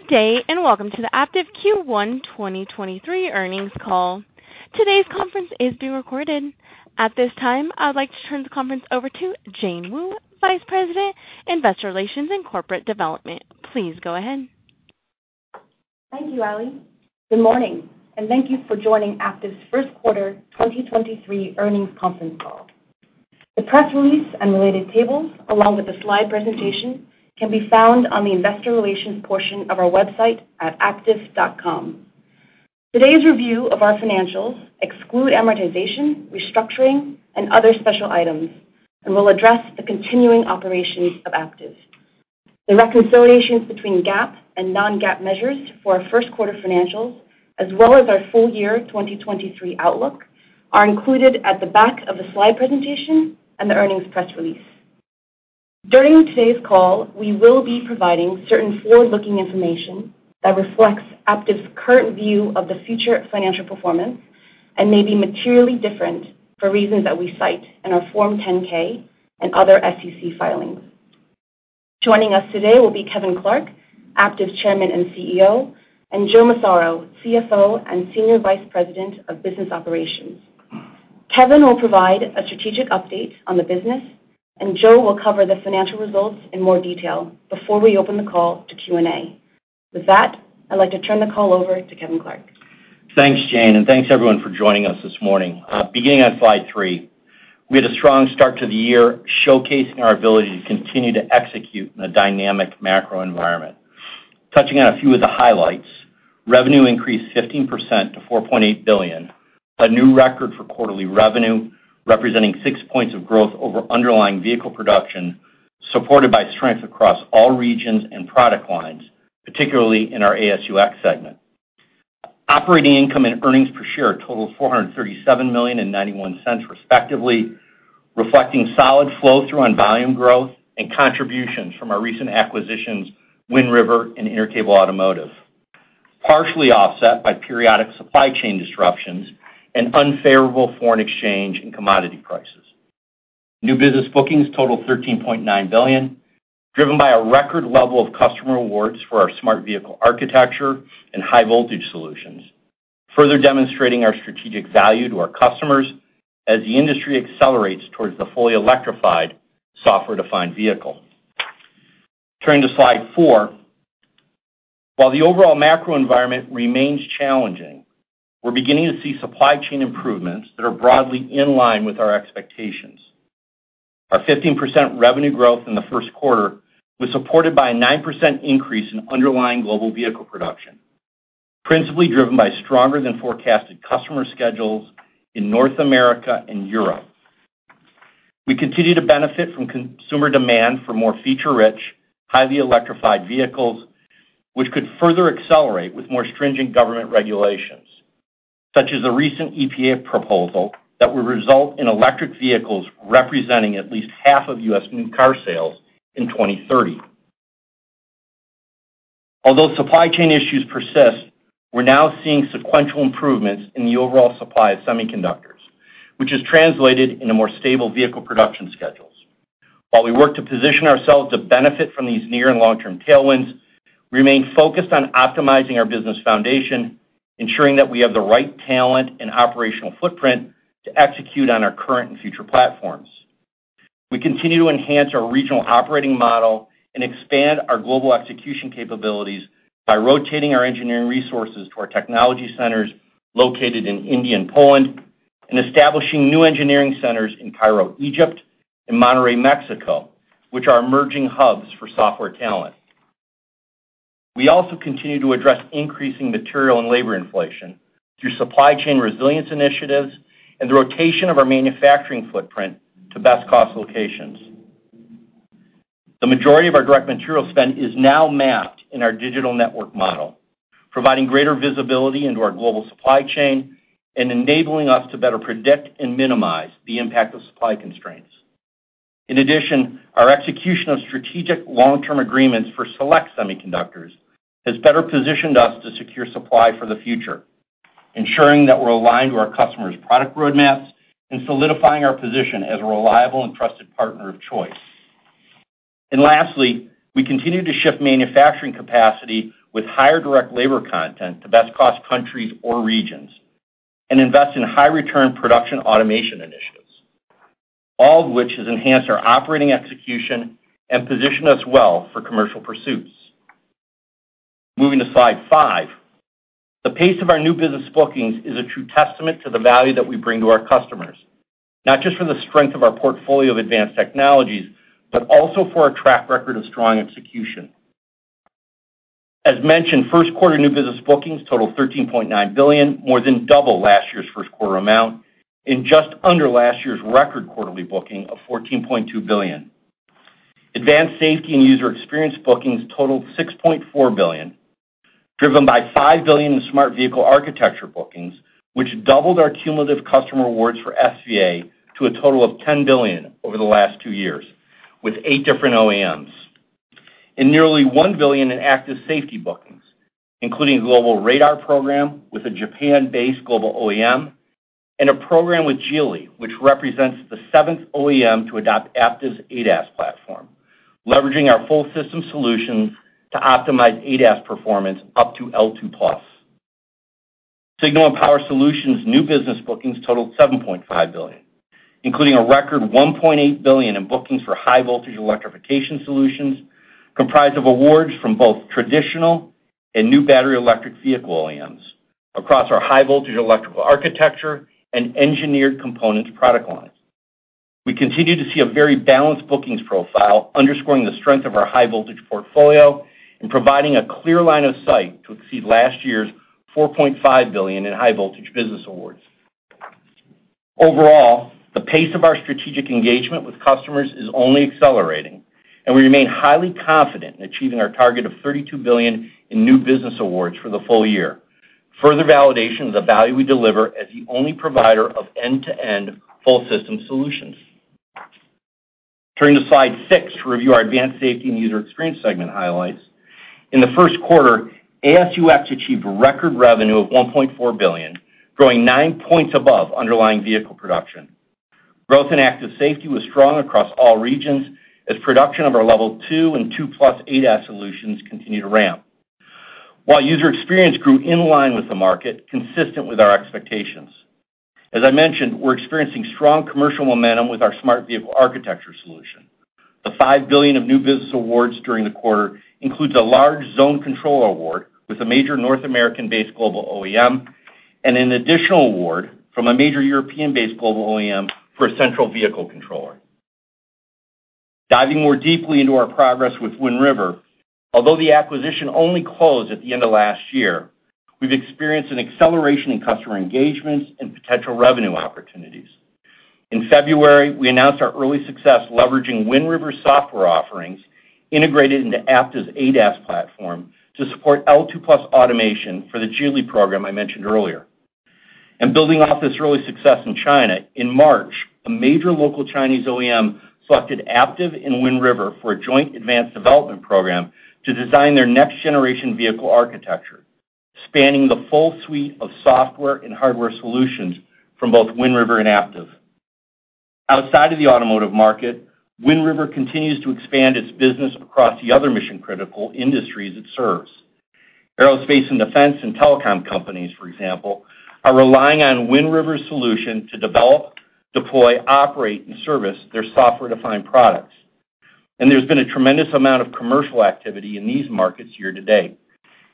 Good day, welcome to the Aptiv Q1 2023 earnings call. Today's conference is being recorded. At this time, I would like to turn the conference over to Jane Wu, Vice President, Investor Relations and Corporate Development. Please go ahead. Thank you, Ally. Good morning, and thank you for joining Aptiv's first quarter 2023 earnings conference call. The press release and related tables, along with the slide presentation, can be found on the investor relations portion of our website at aptiv.com. Today's review of our financials exclude amortization, restructuring, and other special items, and will address the continuing operations of Aptiv. The reconciliations between GAAP and non-GAAP measures for our first quarter financials, as well as our full year 2023 outlook, are included at the back of the slide presentation and the earnings press release. During today's call, we will be providing certain forward-looking information that reflects Aptiv's current view of the future financial performance and may be materially different for reasons that we cite in our Form 10-K and other SEC filings. Joining us today will be Kevin Clark, Aptiv's Chairman and CEO, and Joe Massaro, CFO and Senior Vice President of Business Operations. Kevin will provide a strategic update on the business, and Joe will cover the financial results in more detail before we open the call to Q&A. With that, I'd like to turn the call over to Kevin Clark. Thanks, Jane. Thanks everyone for joining us this morning. Beginning on slide three, we had a strong start to the year, showcasing our ability to continue to execute in a dynamic macro environment. Touching on a few of the highlights. Revenue increased 15% to $4.8 billion, a new record for quarterly revenue, representing 6 points of growth over underlying vehicle production, supported by strength across all regions and product lines, particularly in our AS&UX segment. Operating income and earnings per share totaled $437 million and $0.91 respectively, reflecting solid flow-through on volume growth and contributions from our recent acquisitions, Wind River and Intercable Automotive, partially offset by periodic supply chain disruptions and unfavorable foreign exchange and commodity prices. New business bookings totaled $13.9 billion, driven by a record level of customer awards for our Smart Vehicle Architecture and high voltage solutions, further demonstrating our strategic value to our customers as the industry accelerates towards the fully electrified software-defined vehicle. Turning to slide four. While the overall macro environment remains challenging, we're beginning to see supply chain improvements that are broadly in line with our expectations. Our 15% revenue growth in the first quarter was supported by a 9% increase in underlying global vehicle production, principally driven by stronger than forecasted customer schedules in North America and Europe. We continue to benefit from consumer demand for more feature-rich, highly electrified vehicles, which could further accelerate with more stringent government regulations, such as the recent EPA proposal that would result in electric vehicles representing at least half of U.S. new car sales in 2030. Although supply chain issues persist, we're now seeing sequential improvements in the overall supply of semiconductors, which has translated into more stable vehicle production schedules. While we work to position ourselves to benefit from these near and long-term tailwinds, we remain focused on optimizing our business foundation, ensuring that we have the right talent and operational footprint to execute on our current and future platforms. We continue to enhance our regional operating model and expand our global execution capabilities by rotating our engineering resources to our technology centers located in India and Poland, and establishing new engineering centers in Cairo, Egypt, and Monterrey, Mexico, which are emerging hubs for software talent. We also continue to address increasing material and labor inflation through supply chain resilience initiatives and the rotation of our manufacturing footprint to best cost locations. The majority of our direct material spend is now mapped in our digital network model, providing greater visibility into our global supply chain and enabling us to better predict and minimize the impact of supply constraints. In addition, our execution of strategic long-term agreements for select semiconductors has better positioned us to secure supply for the future, ensuring that we're aligned to our customers' product roadmaps and solidifying our position as a reliable and trusted partner of choice. Lastly, we continue to shift manufacturing capacity with higher direct labor content to best cost countries or regions and invest in high return production automation initiatives, all of which has enhanced our operating execution and positioned us well for commercial pursuits. Moving to slide five. The pace of our new business bookings is a true testament to the value that we bring to our customers, not just for the strength of our portfolio of advanced technologies, but also for our track record of strong execution. As mentioned, first quarter new business bookings totaled $13.9 billion, more than double last year's first quarter amount, and just under last year's record quarterly booking of $14.2 billion. Advanced Safety and User Experience bookings totaled $6.4 billion, driven by $5 billion in Smart Vehicle Architecture bookings, which doubled our cumulative customer awards for SVA to a total of $10 billion over the last two years, with eight different OEMs. Nearly $1 billion in active safety bookings, including a global radar program with a Japan-based global OEM. A program with Geely, which represents the seventh OEM to adopt Aptiv's ADAS platform, leveraging our full system solutions to optimize ADAS performance up to L2+. Signal and Power Solutions new business bookings totaled $7.5 billion, including a record $1.8 billion in bookings for high voltage electrification solutions, comprised of awards from both traditional and new battery electric vehicle OEMs across our high voltage electrical architecture and engineered components product lines. We continue to see a very balanced bookings profile underscoring the strength of our high voltage portfolio and providing a clear line of sight to exceed last year's $4.5 billion in high voltage business awards. Overall, the pace of our strategic engagement with customers is only accelerating, and we remain highly confident in achieving our target of $32 billion in new business awards for the full year. Further validation of the value we deliver as the only provider of end-to-end full system solutions. Turning to slide six to review our Advanced Safety and User Experience segment highlights. In the first quarter, AS&UX achieved a record revenue of $1.4 billion, growing nine points above underlying vehicle production. Growth in active safety was strong across all regions as production of our Level 2 and 2+ ADAS solutions continued to ramp. While user experience grew in line with the market, consistent with our expectations. As I mentioned, we're experiencing strong commercial momentum with our Smart Vehicle Architecture solution. The $5 billion of new business awards during the quarter includes a large zone controller award with a major North American-based global OEM and an additional award from a major European-based global OEM for a central vehicle controller. Diving more deeply into our progress with Wind River, although the acquisition only closed at the end of last year, we've experienced an acceleration in customer engagements and potential revenue opportunities. In February, we announced our early success leveraging Wind River software offerings integrated into Aptiv's ADAS platform to support L2+ automation for the Geely program I mentioned earlier. Building off this early success in China, in March, a major local Chinese OEM selected Aptiv and Wind River for a joint advanced development program to design their next-generation vehicle architecture, spanning the full suite of software and hardware solutions from both Wind River and Aptiv. Outside of the automotive market, Wind River continues to expand its business across the other mission-critical industries it serves. Aerospace and defense and telecom companies, for example, are relying on Wind River's solution to develop, deploy, operate, and service their software-defined products. There's been a tremendous amount of commercial activity in these markets year to date,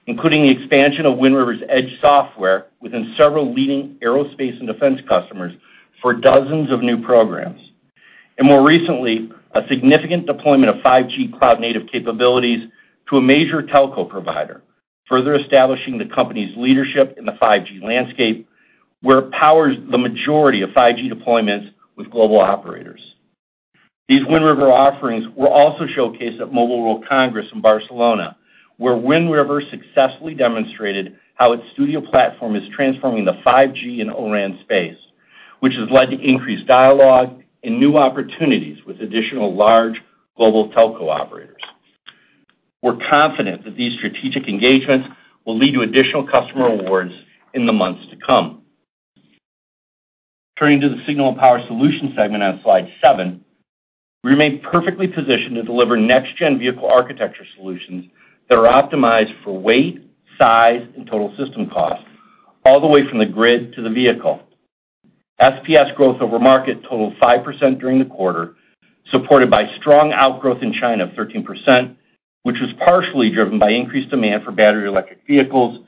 including the expansion of Wind River's edge software within several leading aerospace and defense customers for dozens of new programs. More recently, a significant deployment of 5G cloud-native capabilities to a major telco provider, further establishing the company's leadership in the 5G landscape, where it powers the majority of 5G deployments with global operators. These Wind River offerings were also showcased at Mobile World Congress in Barcelona, where Wind River successfully demonstrated how its Studio platform is transforming the 5G and ORAN space, which has led to increased dialogue and new opportunities with additional large global telco operators. We're confident that these strategic engagements will lead to additional customer awards in the months to come. Turning to the Signal and Power Solutions segment on slide seven, we remain perfectly positioned to deliver next-gen vehicle architecture solutions that are optimized for weight, size, and total system cost, all the way from the grid to the vehicle. SPS growth over market totaled 5% during the quarter, supported by strong outgrowth in China of 13%, which was partially driven by increased demand for battery electric vehicles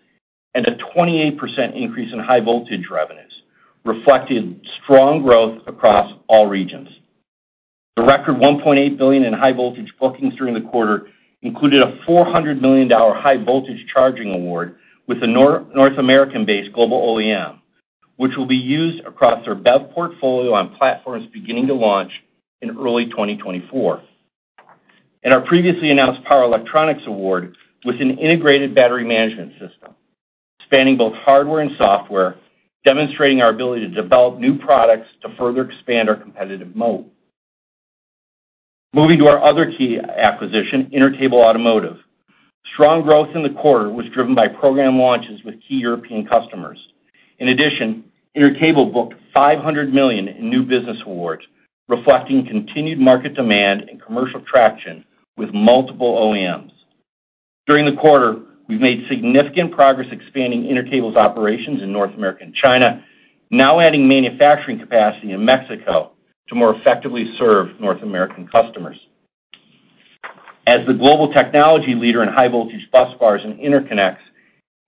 and a 28% increase in high voltage revenues, reflecting strong growth across all regions. The record $1.8 billion in high voltage bookings during the quarter included a $400 million high voltage charging award with a North American-based global OEM, which will be used across their BEV portfolio on platforms beginning to launch in early 2024. Our previously announced power electronics award was an integrated battery management system spanning both hardware and software, demonstrating our ability to develop new products to further expand our competitive moat. Moving to our other key acquisition, Intercable Automotive. Strong growth in the quarter was driven by program launches with key European customers. In addition, Intercable booked $500 million in new business awards, reflecting continued market demand and commercial traction with multiple OEMs. During the quarter, we've made significant progress expanding Intercable's operations in North America and China, now adding manufacturing capacity in Mexico to more effectively serve North American customers. As the global technology leader in high voltage busbars and interconnects,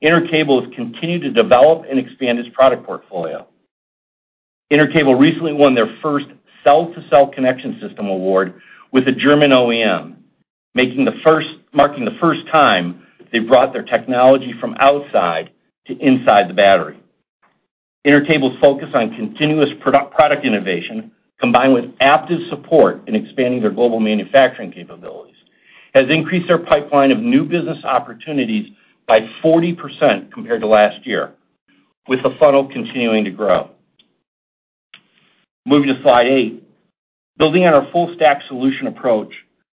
Intercable has continued to develop and expand its product portfolio. Intercable recently won their first cell-to-cell connection system award with a German OEM, marking the first time they've brought their technology from outside to inside the battery. Intercable's focus on continuous product innovation, combined with Aptiv's support in expanding their global manufacturing capabilities, has increased their pipeline of new business opportunities by 40% compared to last year, with the funnel continuing to grow. Moving to slide eight. Building on our full stack solution approach,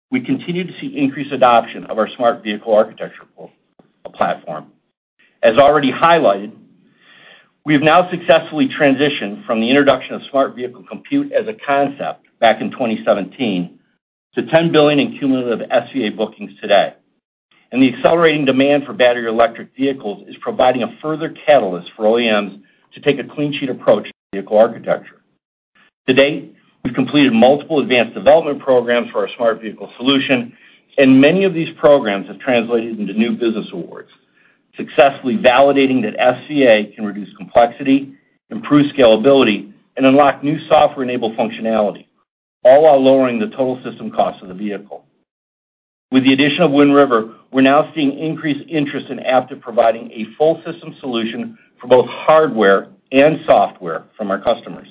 we continue to see increased adoption of our Smart Vehicle Architecture platform. As already highlighted, we have now successfully transitioned from the introduction of smart vehicle compute as a concept back in 2017 to $10 billion in cumulative SVA bookings today. The accelerating demand for battery electric vehicles is providing a further catalyst for OEMs to take a clean sheet approach to vehicle architecture. To date, we've completed multiple advanced development programs for our smart vehicle solution, and many of these programs have translated into new business awards, successfully validating that SVA can reduce complexity, improve scalability, and unlock new software-enabled functionality, all while lowering the total system cost of the vehicle. With the addition of Wind River, we're now seeing increased interest in Aptiv providing a full system solution for both hardware and software from our customers.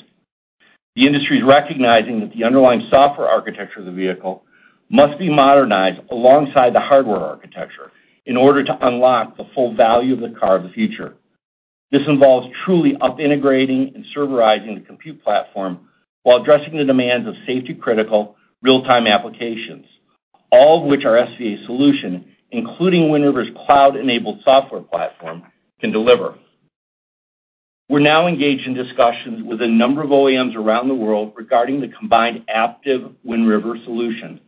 The industry is recognizing that the underlying software architecture of the vehicle must be modernized alongside the hardware architecture in order to unlock the full value of the car of the future. This involves truly upintegrating and serverizing the compute platform while addressing the demands of safety-critical real-time applications, all of which our SVA solution, including Wind River's cloud-enabled software platform, can deliver. We're now engaged in discussions with a number of OEMs around the world regarding the combined Aptiv Wind River solution,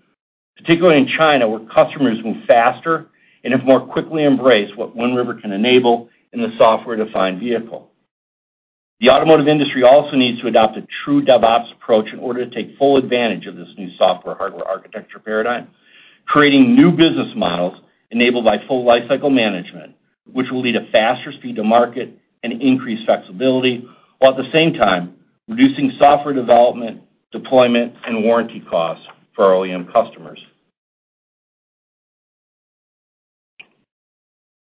particularly in China, where customers move faster and have more quickly embraced what Wind River can enable in the software-defined vehicle. The automotive industry also needs to adopt a true DevOps approach in order to take full advantage of this new software hardware architecture paradigm, creating new business models enabled by full lifecycle management, which will lead to faster speed to market and increased flexibility, while at the same time reducing software development, deployment, and warranty costs for our OEM customers.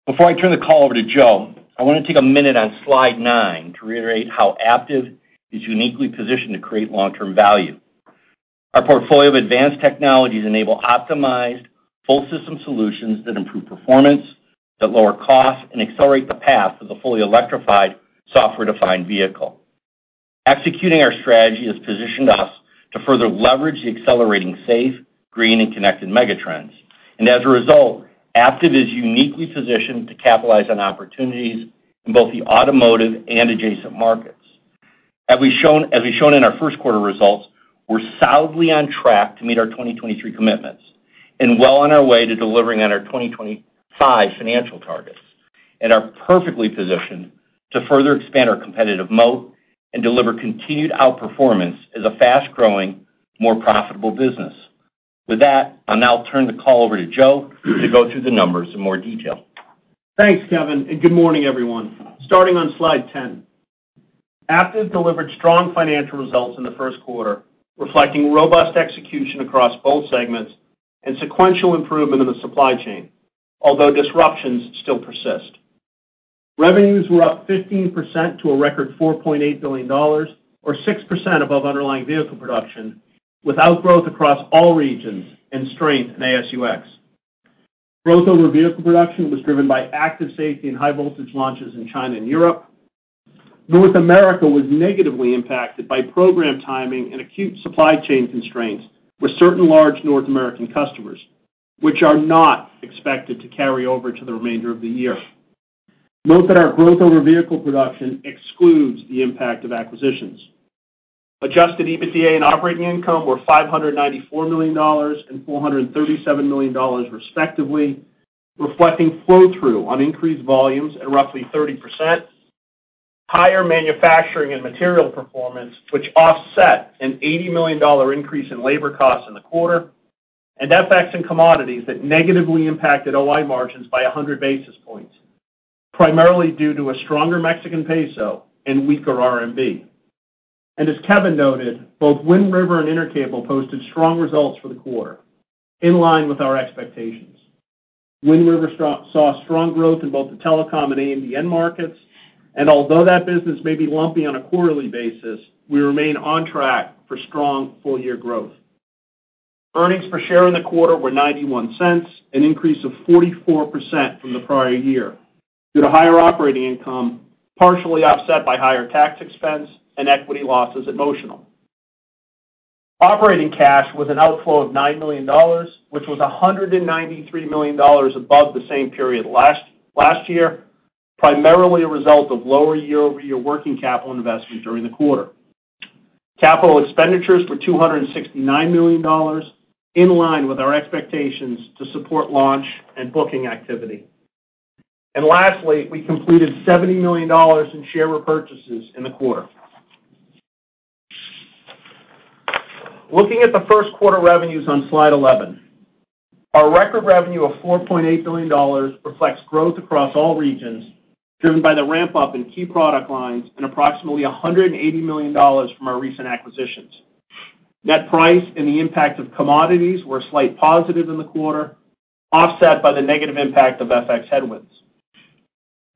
Before I turn the call over to Joe, I wanna take a minute on slide nine to reiterate how Aptiv is uniquely positioned to create long-term value. Our portfolio of advanced technologies enable optimized full system solutions that improve performance, that lower costs, and accelerate the path to the fully electrified software-defined vehicle. Executing our strategy has positioned us to further leverage the accelerating safe, green, and connected megatrends. As a result, Aptiv is uniquely positioned to capitalize on opportunities in both the automotive and adjacent markets. As we've shown in our first quarter results, we're solidly on track to meet our 2023 commitments and well on our way to delivering on our 2025 financial targets and are perfectly positioned to further expand our competitive moat and deliver continued outperformance as a fast-growing, more profitable business. With that, I'll now turn the call over to Joe to go through the numbers in more detail. Thanks, Kevin. Good morning, everyone. Starting on slide 10. Aptiv delivered strong financial results in the first quarter, reflecting robust execution across both segments and sequential improvement in the supply chain, although disruptions still persist. Revenues were up 15% to a record $4.8 billion or 6% above underlying vehicle production, without growth across all regions and strength in AS&UX. Growth over vehicle production was driven by active safety and high voltage launches in China and Europe. North America was negatively impacted by program timing and acute supply chain constraints with certain large North American customers, which are not expected to carry over to the remainder of the year. Note that our growth over vehicle production excludes the impact of acquisitions. Adjusted EBITDA and operating income were $594 million and $437 million, respectively, reflecting flow-through on increased volumes at roughly 30%, higher manufacturing and material performance, which offset an $80 million increase in labor costs in the quarter, and FX and commodities that negatively impacted OI margins by 100 basis points, primarily due to a stronger Mexican peso and weaker RMB. As Kevin noted, both Wind River and Intercable posted strong results for the quarter, in line with our expectations. Wind River saw strong growth in both the telecom and A&D end markets. Although that business may be lumpy on a quarterly basis, we remain on track for strong full-year growth. Earnings per share in the quarter were $0.91, an increase of 44% from the prior year, due to higher operating income, partially offset by higher tax expense and equity losses at Motional. Operating cash was an outflow of $9 million, which was $193 million above the same period last year, primarily a result of lower year-over-year working capital investments during the quarter. Capital expenditures were $269 million, in line with our expectations to support launch and booking activity. Lastly, we completed $70 million in share repurchases in the quarter. Looking at the first quarter revenues on slide 11. Our record revenue of $4.8 billion reflects growth across all regions, driven by the ramp-up in key product lines and approximately $180 million from our recent acquisitions. Net price and the impact of commodities were slight positive in the quarter, offset by the negative impact of FX headwinds.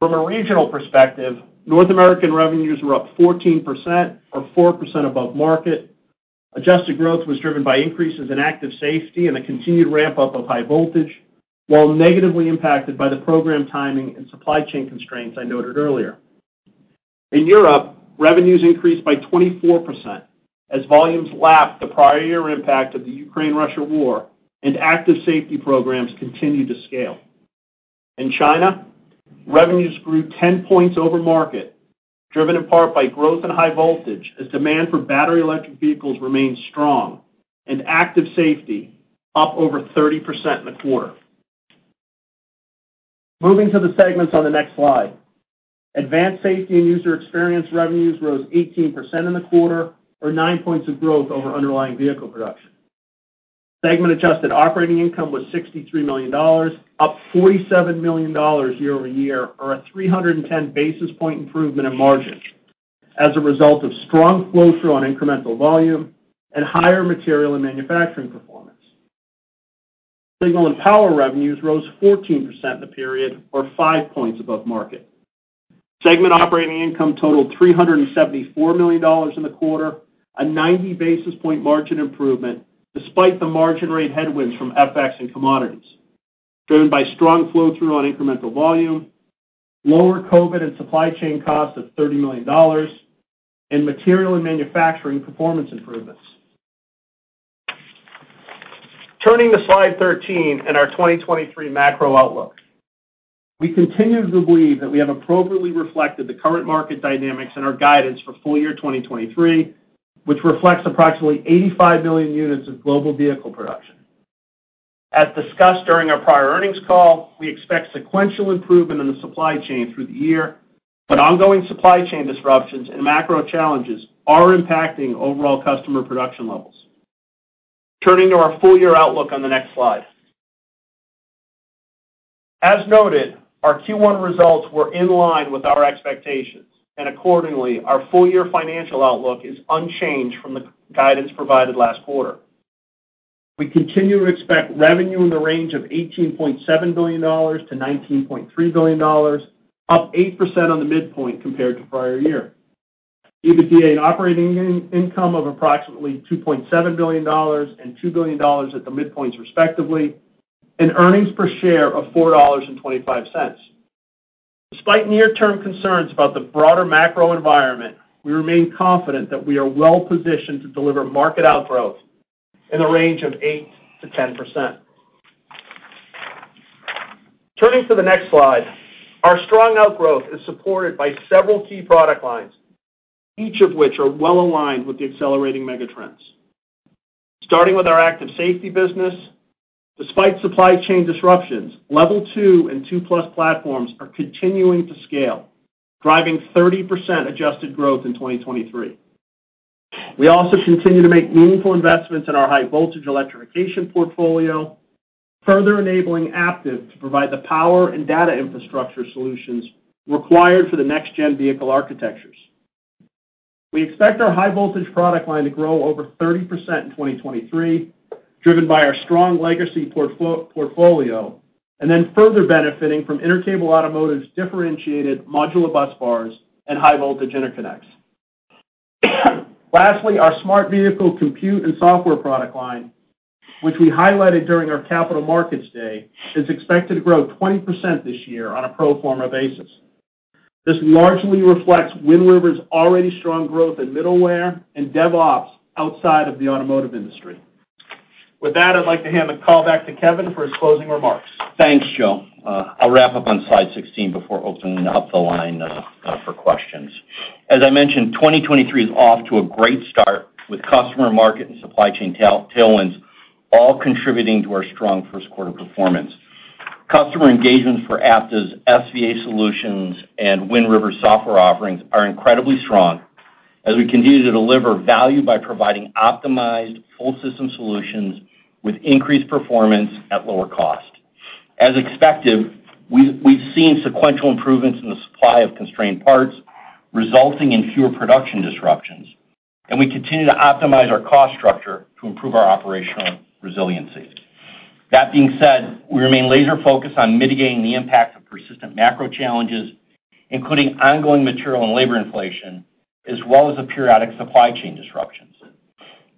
From a regional perspective, North American revenues were up 14% or 4% above market. Adjusted growth was driven by increases in active safety and a continued ramp-up of high voltage, while negatively impacted by the program timing and supply chain constraints I noted earlier. In Europe, revenues increased by 24% as volumes lapped the prior year impact of the Russo-Ukrainian war and active safety programs continued to scale. In China, revenues grew 10 points over market, driven in part by growth in high voltage as demand for battery electric vehicles remained strong and active safety up over 30% in the quarter. Moving to the segments on the next slide. Advanced Safety and User Experience revenues rose 18% in the quarter or nine points of growth over underlying vehicle production. Segment adjusted operating income was $63 million, up $47 million year-over-year, or a 310 basis point improvement in margin as a result of strong flow-through on incremental volume and higher material and manufacturing performance. Signal and Power revenues rose 14% in the period or 5 points above market. Segment operating income totaled $374 million in the quarter, a 90 basis point margin improvement despite the margin rate headwinds from FX and commodities, driven by strong flow-through on incremental volume, lower COVID and supply chain costs of $30 million, and material and manufacturing performance improvements. Turning to slide 13 and our 2023 macro outlook. We continue to believe that we have appropriately reflected the current market dynamics in our guidance for full year 2023, which reflects approximately 85 million units of global vehicle production. As discussed during our prior earnings call, we expect sequential improvement in the supply chain through the year, but ongoing supply chain disruptions and macro challenges are impacting overall customer production levels. Turning to our full year outlook on the next slide. As noted, our Q1 results were in line with our expectations, and accordingly, our full year financial outlook is unchanged from the guidance provided last quarter. We continue to expect revenue in the range of $18.7 billion-$19.3 billion, up 8% on the midpoint compared to prior year. EBITDA and operating income of approximately $2.7 billion and $2 billion at the midpoints, respectively, and earnings per share of $4.25. Despite near-term concerns about the broader macro environment, we remain confident that we are well-positioned to deliver market outgrowth in the range of 8%-10%. Turning to the next slide. Our strong outgrowth is supported by several key product lines, each of which are well-aligned with the accelerating megatrends. Starting with our active safety business. Despite supply chain disruptions, Level 2 and 2+ platforms are continuing to scale, driving 30% adjusted growth in 2023. We also continue to make meaningful investments in our high voltage electrification portfolio, further enabling Aptiv to provide the power and data infrastructure solutions required for the next gen vehicle architectures. We expect our high voltage product line to grow over 30% in 2023, driven by our strong legacy portfolio, then further benefiting from Intercable Automotive's differentiated modular bus bars and high voltage interconnects. Lastly, our smart vehicle compute and software product line, which we highlighted during our Capital Markets Day, is expected to grow 20% this year on a pro forma basis. This largely reflects Wind River's already strong growth in middleware and DevOps outside of the automotive industry. With that, I'd like to hand the call back to Kevin for his closing remarks. Thanks, Joe. I'll wrap up on slide 16 before opening up the line for questions. As I mentioned, 2023 is off to a great start with customer market and supply chain tailwinds all contributing to our strong first quarter performance. Customer engagements for Aptiv's SVA solutions and Wind River software offerings are incredibly strong as we continue to deliver value by providing optimized full system solutions with increased performance at lower cost. As expected, we've seen sequential improvements in the supply of constrained parts, resulting in fewer production disruptions, and we continue to optimize our cost structure to improve our operational resiliency. That being said, we remain laser-focused on mitigating the impact of persistent macro challenges, including ongoing material and labor inflation, as well as the periodic supply chain disruptions.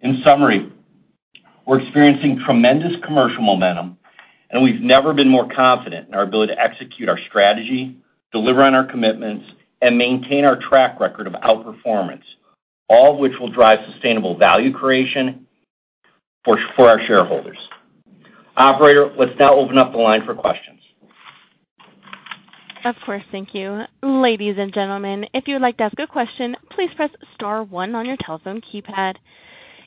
In summary, we're experiencing tremendous commercial momentum, and we've never been more confident in our ability to execute our strategy, deliver on our commitments, and maintain our track record of outperformance, all of which will drive sustainable value creation for our shareholders. Operator, let's now open up the line for questions. Of course. Thank you. Ladies and gentlemen, if you would like to ask a question, please press star one on your telephone keypad.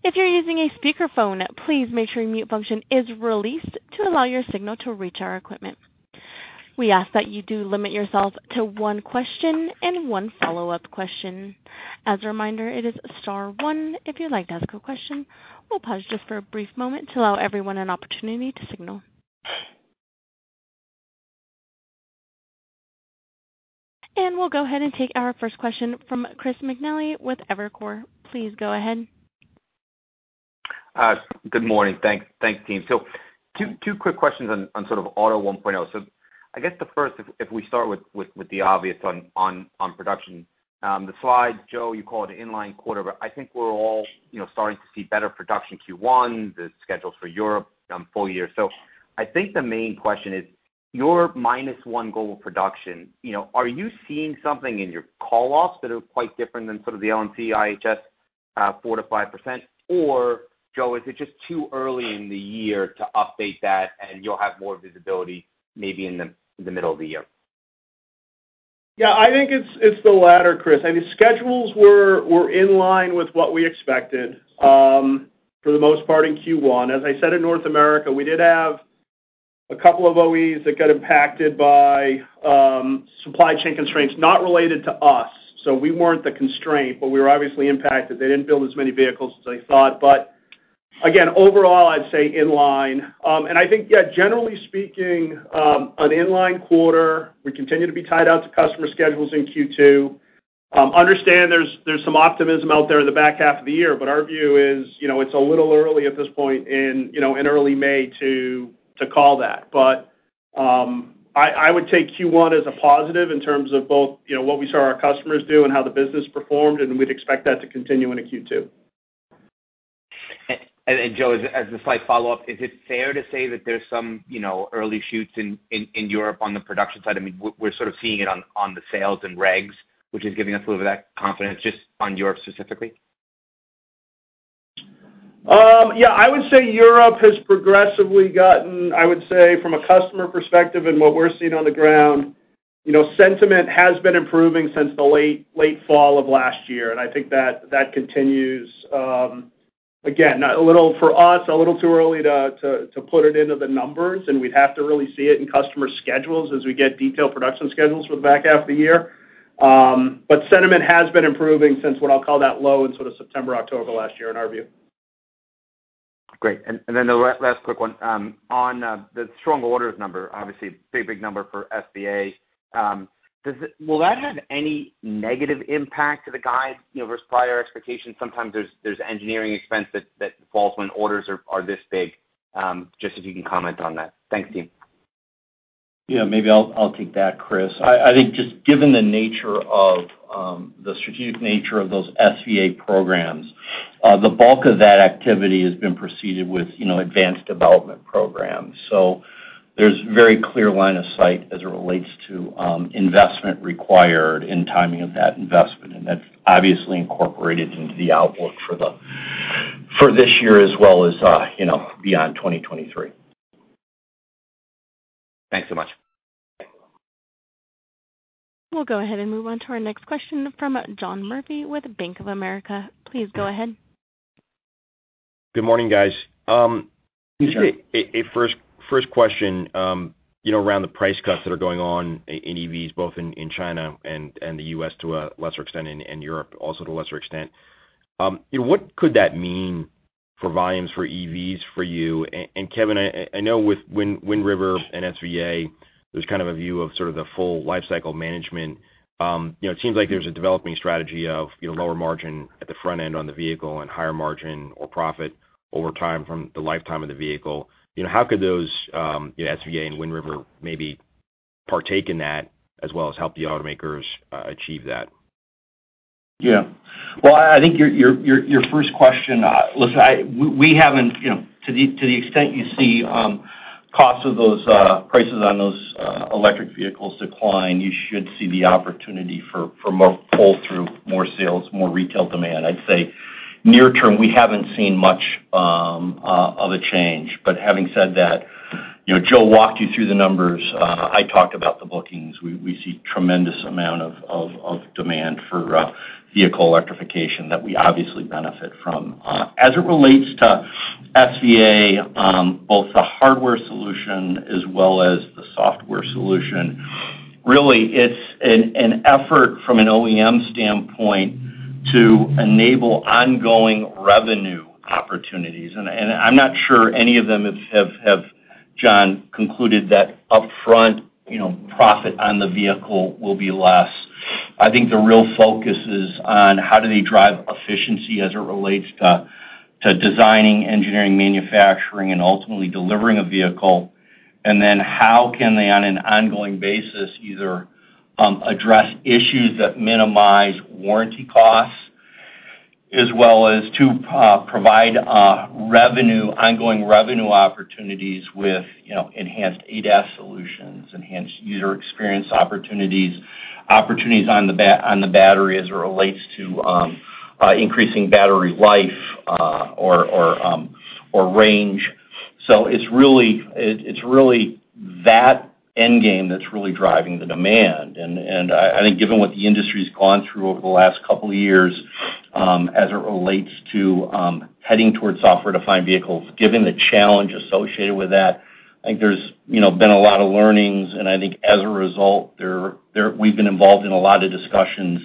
If you're using a speakerphone, please make sure your mute function is released to allow your signal to reach our equipment. We ask that you do limit yourself to one question and one follow-up question. As a reminder, it is star one if you'd like to ask a question. We'll pause just for a brief moment to allow everyone an opportunity to signal. We'll go ahead and take our first question from Chris McNally with Evercore. Please go ahead. Good morning. Thanks, team. Two quick questions on sort of Auto 1.0. I guess the first if we start with the obvious on production. The slide, Joe, you call it inline quarter, but I think we're all, you know, starting to see better production Q1, the schedules for Europe, full year. I think the main question is your -1 goal of production, you know, are you seeing something in your call-offs that are quite different than sort of the LMC, IHS, 4%-5%? Joe, is it just too early in the year to update that, and you'll have more visibility maybe in the middle of the year? Yeah. I think it's the latter, Chris. I mean, schedules were in line with what we expected for the most part in Q1. As I said in North America, we did have a couple of OEs that got impacted by supply chain constraints not related to us. We weren't the constraint, but we were obviously impacted. They didn't build as many vehicles as they thought. Again, overall, I'd say inline. I think, yeah, generally speaking, an inline quarter, we continue to be tied out to customer schedules in Q2. Understand there's some optimism out there in the back half of the year, but our view is, you know, it's a little early at this point in, you know, in early May to call that. I would take Q1 as a positive in terms of both, you know, what we saw our customers do and how the business performed, and we'd expect that to continue into Q2. Joe, as a slight follow-up, is it fair to say that there's some, you know, early shoots in Europe on the production side? I mean, we're sort of seeing it on the sales and regs, which is giving us a little of that confidence just on Europe specifically. Yeah. I would say Europe has progressively gotten from a customer perspective and what we're seeing on the ground, you know, sentiment has been improving since the late fall of last year. I think that continues, again, a little for us, a little too early to put it into the numbers, and we'd have to really see it in customer schedules as we get detailed production schedules for the back half of the year. Sentiment has been improving since what I'll call that low in sort of September, October of last year in our view. Great. The last quick one, on the strong orders number, obviously big number for SVA. Will that have any negative impact to the guide, you know, versus prior expectations? Sometimes there's engineering expense that falls when orders are this big. Just if you can comment on that. Thanks, team. Yeah. Maybe I'll take that, Chris. I think just given the nature of the strategic nature of those SVA programs, the bulk of that activity has been proceeded with, you know, advanced development programs. There's very clear line of sight as it relates to investment required and timing of that investment. That's obviously incorporated into the outlook for this year as well as, you know, beyond 2023. Thanks so much. Thanks. We'll go ahead and move on to our next question from John Murphy with Bank of America. Please go ahead. Good morning, guys. Just a first question, you know, around the price cuts that are going on in EVs, both in China and the U.S. to a lesser extent, in Europe also to a lesser extent. You know, what could that mean for volumes for EVs for you? Kevin, I know with Wind River and SVA, there's kind of a view of sort of the full lifecycle management. You know, it seems like there's a developing strategy of, you know, lower margin at the front end on the vehicle and higher margin or profit over time from the lifetime of the vehicle. You know, how could those, you know, SVA and Wind River maybe partake in that as well as help the automakers achieve that? Well, I think your first question, listen, we haven't, you know, to the extent you see costs of those prices on those electric vehicles decline, you should see the opportunity for more pull through, more sales, more retail demand. I'd say near-term, we haven't seen much of a change. Having said that, you know, Joe walked you through the numbers. I talked about the bookings. We see tremendous amount of demand for vehicle electrification that we obviously benefit from. As it relates to SVA, both the hardware solution as well as the software solution, really, it's an effort from an OEM standpoint to enable ongoing revenue opportunities. I'm not sure any of them have, John, concluded that upfront, you know, profit on the vehicle will be less. I think the real focus is on how do they drive efficiency as it relates to designing, engineering, manufacturing, and ultimately delivering a vehicle. How can they, on an ongoing basis, either address issues that minimize warranty costs, as well as to provide revenue, ongoing revenue opportunities with, you know, enhanced ADAS solutions, enhanced user experience opportunities on the battery as it relates to increasing battery life or range. It's really that end game that's really driving the demand. I think given what the industry's gone through over the last couple of years, as it relates to heading towards software-defined vehicles, given the challenge associated with that, I think there's, you know, been a lot of learnings. I think as a result, we've been involved in a lot of discussions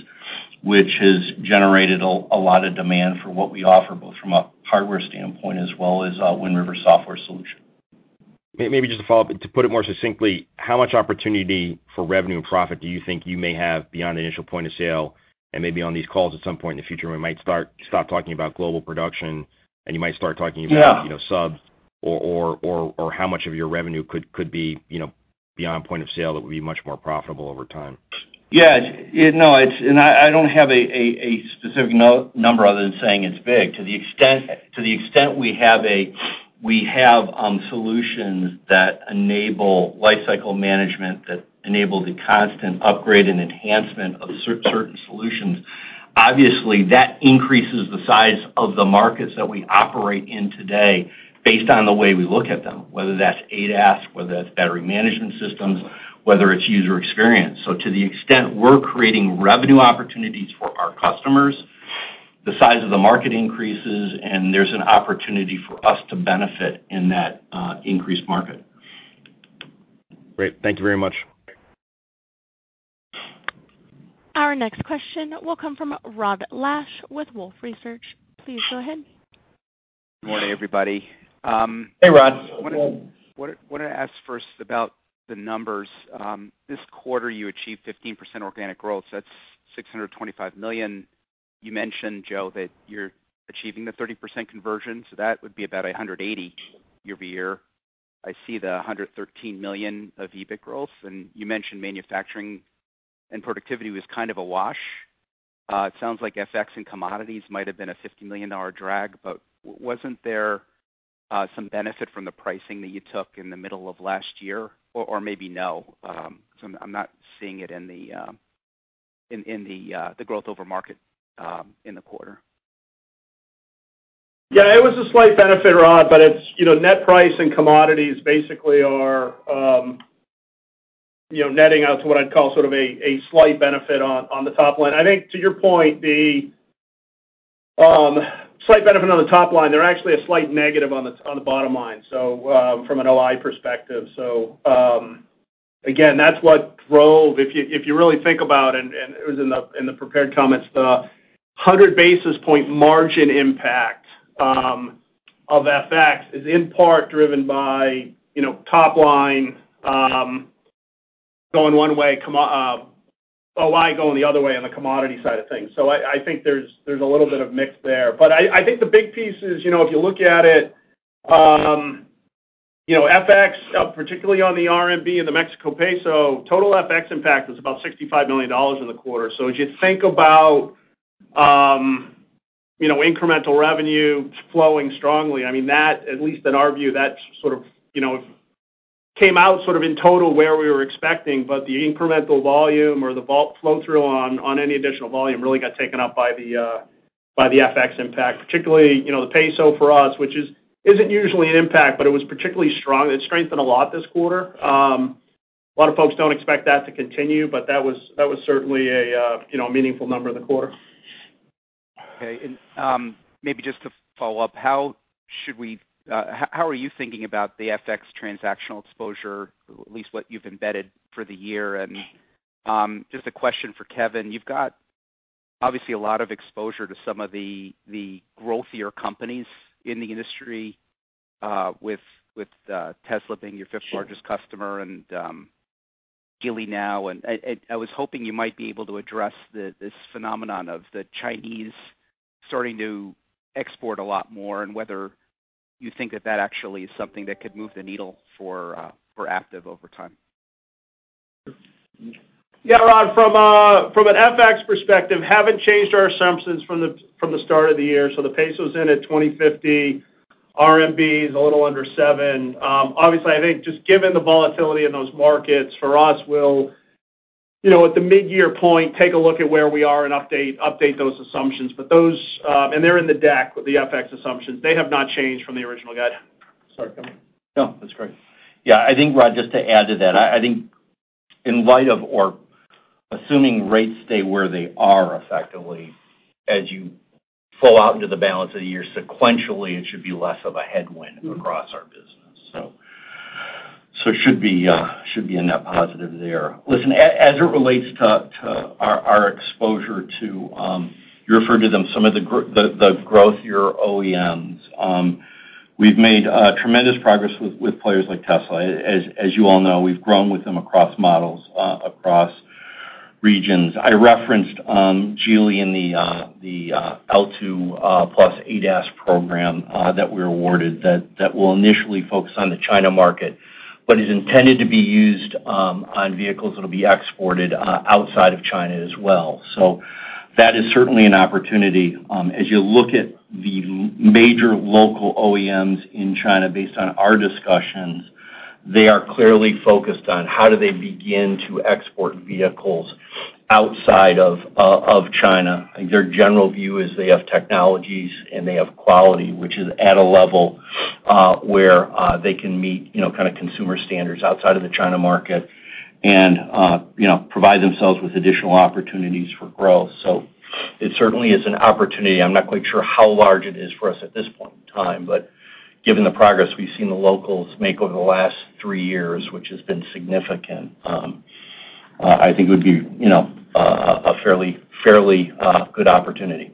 which has generated a lot of demand for what we offer, both from a hardware standpoint as well as Wind River software solution. Maybe just a follow-up. To put it more succinctly, how much opportunity for revenue and profit do you think you may have beyond the initial point of sale? Maybe on these calls at some point in the future, we might stop talking about global production, and you might start talking about, you know, subs or how much of your revenue could be, you know, beyond point of sale that would be much more profitable over time. Yeah. You know, I don't have a specific number other than saying it's big. To the extent we have solutions that enable lifecycle management, that enable the constant upgrade and enhancement of certain solutions, obviously that increases the size of the markets that we operate in today based on the way we look at them, whether that's ADAS, whether that's battery management systems, whether it's user experience. To the extent we're creating revenue opportunities for our customers, the size of the market increases, and there's an opportunity for us to benefit in that increased market. Great. Thank you very much. Our next question will come from Rod Lache with Wolfe Research. Please go ahead. Good morning, everybody. Wanna ask first about the numbers. This quarter you achieved 15% organic growth. That's $625 million. You mentioned, Joe, that you're achieving the 30% conversion, that would be about $180 year-over-year. I see the $113 million of EBIT growth, you mentioned manufacturing and productivity was kind of a wash. It sounds like FX and commodities might have been a $50 million drag, wasn't there some benefit from the pricing that you took in the middle of last year? Or maybe no, I'm not seeing it in the growth over market, in the quarter. It was a slight benefit, Rod, but it's, you know, net price and commodities basically are, you know, netting out to what I'd call sort of a slight benefit on the top line. I think to your point, the slight benefit on the top line, they're actually a slight negative on the, on the bottom line, from an OI perspective. Again, that's what drove, if you, if you really think about it, and it was in the, in the prepared comments, the 100 basis point margin impact of FX is in part driven by, you know, top line going one way, OI going the other way on the commodity side of things. I think there's a little bit of mix there. I think the big piece is, you know, if you look at it, you know, FX, particularly on the RMB and the Mexican peso, total FX impact was about $65 million in the quarter. As you think about, you know, incremental revenue flowing strongly, I mean, that, at least in our view, that sort of, you know, came out sort of in total where we were expecting. The incremental volume or the flow-through on any additional volume really got taken up by the FX impact, particularly, you know, the peso for us, which isn't usually an impact, but it was particularly strong. It strengthened a lot this quarter. A lot of folks don't expect that to continue, but that was certainly a, you know, meaningful number in the quarter. Okay. Maybe just to follow up, how are you thinking about the FX transactional exposure, at least what you've embedded for the year? Just a question for Kevin. You've got obviously a lot of exposure to some of the growth of your companies in the industry, with, Tesla being your fifth-largest customer and Geely now. I was hoping you might be able to address this phenomenon of the Chinese starting to export a lot more, and whether you think that that actually is something that could move the needle for Aptiv over time. Yeah, Rod, from an FX perspective, haven't changed our assumptions from the start of the year. The Peso's in at 20.50, RMB is a little under 7. Obviously, I think just given the volatility in those markets for us, we'll, you know, at the mid-year point, take a look at where we are and update those assumptions. Those, and they're in the deck with the FX assumptions. They have not changed from the original guide. Sorry, Kevin. No, that's great. Yeah, I think, Rod, just to add to that, I think in light of or assuming rates stay where they are effectively, as you flow out into the balance of the year sequentially, it should be less of a headwind across our business. It should be a net positive there. Listen, as it relates to our exposure to, you refer to them, some of the growth, your OEMs, we've made tremendous progress with players like Tesla. As you all know, we've grown with them across models, across regions. I referenced Geely in the L2+ ADAS program that we were awarded that will initially focus on the China market, but is intended to be used on vehicles that'll be exported outside of China as well. That is certainly an opportunity. As you look at the major local OEMs in China, based on our discussions, they are clearly focused on how do they begin to export vehicles outside of China. Their general view is they have technologies, and they have quality, which is at a level where they can meet, you know, kinda consumer standards outside of the China market and, you know, provide themselves with additional opportunities for growth. It certainly is an opportunity. I'm not quite sure how large it is for us at this point in time, but given the progress we've seen the locals make over the last three years, which has been significant, I think it would be, you know, a fairly good opportunity.